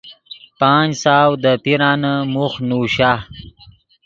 پانچ سو دے پیرانے موخ نوشا۔